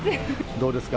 どうですか？